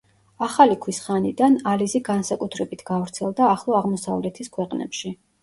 ახალი ქვის ხანიდან ალიზი განსაკუთრებით გავრცელდა ახლო აღმოსავლეთის ქვეყნებში.